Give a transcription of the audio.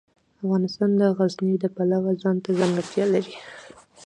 افغانستان د غزني د پلوه ځانته ځانګړتیا لري.